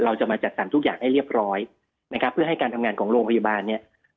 เราจะมาจัดสรรทุกอย่างให้เรียบร้อยนะครับเพื่อให้การทำงานของโรงพยาบาลเนี่ย